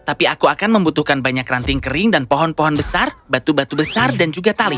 tapi aku akan membutuhkan banyak ranting kering dan pohon pohon besar batu batu besar dan juga tali